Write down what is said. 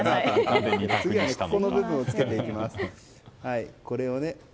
この部分を付けていきます。